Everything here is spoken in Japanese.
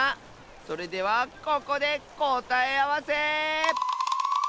それではここでこたえあわせ！